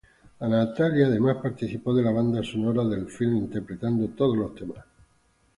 Natalia además participó de la banda sonora del filme, interpretando todos los temas.